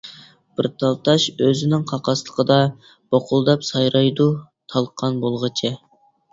بىر تال تاش ئۆزىنىڭ قاقاسلىقىدا، بۇقۇلداپ سايرايدۇ تالقان بولغۇچە.